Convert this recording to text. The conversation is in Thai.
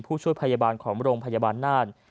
ผู้ช่วยพยาบาลของโรงพยาบาลน่าน